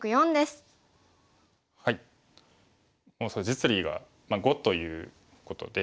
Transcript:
実利が５ということで。